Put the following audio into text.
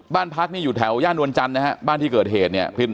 บ้านพักนี่อยู่แถวย่านนวลจันทร์นะฮะบ้านที่เกิดเหตุเนี่ย